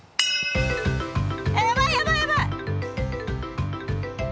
やばい、やばい。